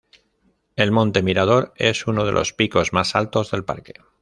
El monte Mirador es uno de los picos más altos del parque.